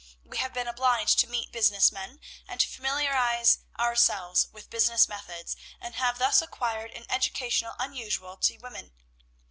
We have been obliged to meet business men, and to familiarize ourselves with business methods, and have thus acquired an education unusual to women.